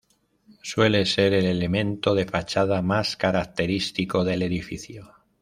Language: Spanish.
Suele ser el elemento de fachada más característico del edificio.